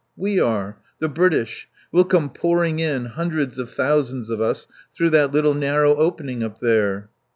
"We are. The British. We'll come pouring in, hundreds of thousands of us, through that little narrow opening up there."